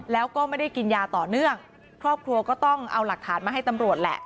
แล้วก็ไม่ได้กินยาต่อเนื่องครอบครัวก็ต้องเอาหลักฐานมาให้ตำรวจแหละ